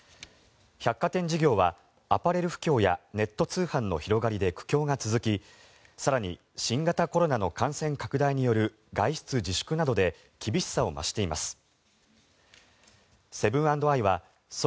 百貨店事業はアパレル不況やネット通販の広がりで苦境が続き更に、新型コロナの感染拡大による外出自粛などで厳しさを増しています。